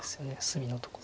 隅のとこ。